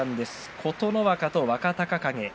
琴ノ若と若隆景です。